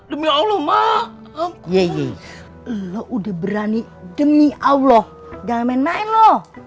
demi allah mak iya iya lu udah berani demi allah jangan main main lu